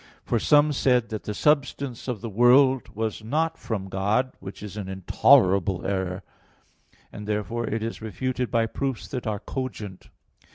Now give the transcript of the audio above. For some said that the substance of the world was not from God, which is an intolerable error; and therefore it is refuted by proofs that are cogent.